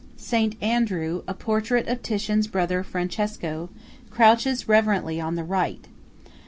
Saint Andrew (a portrait of Titian's brother Francesco) crouches reverently on the right.